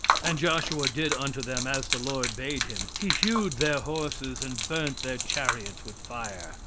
"And Joshua did unto them as the Lord bade him; he houghed their horses, and burnt their chariots with fire.